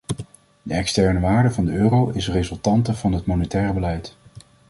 De externe waarde van de euro is resultante van het monetaire beleid.